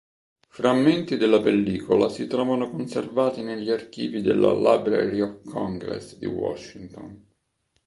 Frammenti della pellicola si trovano conservati negli archivi della Library of Congress di Washington.